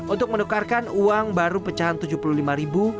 untuk menukarkan uang baru pecahan rp tujuh puluh lima ribu